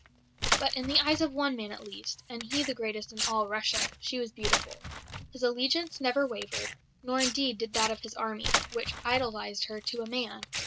But in the eyes of one man at least and he the greatest in all Russia she was beautiful. His allegiance never wavered, nor indeed did that of his army, which idolised her to a man.